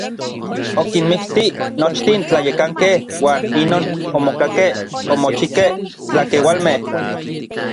Okinmikti nochtin tlayekankej uan inon omokakej omochikej tlakeualmej.